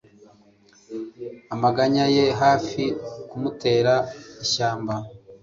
Amaganya ye hafi kumutera ishyamba